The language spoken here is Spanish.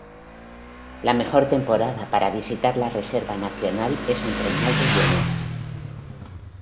La mejor temporada para visitar la reserva nacional es entre mayo y enero.